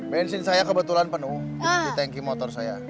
bensin saya kebetulan penuh di tanki motor saya